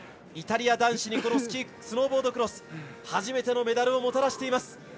イタリア男子にスノーボードクロス初めてのメダルをもたらしています。